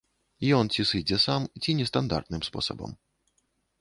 Ён ці сыдзе сам, ці нестандартным спосабам.